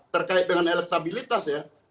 terkait dengan elektabilitas ya